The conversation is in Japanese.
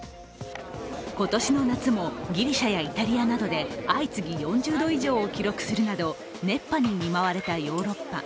今年の夏もギリシャやイタリアなどで相次ぎ４０度以上を記録するなど熱波に見舞われたヨーロッパ。